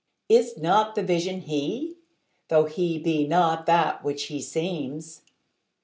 Is not the Vision He? tho' He be not that which He seems?